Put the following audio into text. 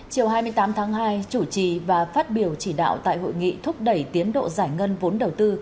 chiều hai mươi tám tháng hai chủ trì và phát biểu chỉ đạo tại hội nghị thúc đẩy tiến độ giải ngân vốn đầu tư